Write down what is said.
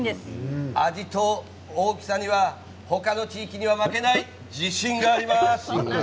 味と大きさには他の地域には負けない自信があります。